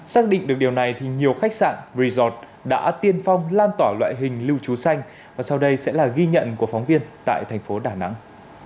xác định được điều này thì nhiều khách sạn resort đã tiên phong lan tỏa loại hình lưu trú xanh và sau đây sẽ là ghi nhận của phóng viên tại thành phố đà nẵng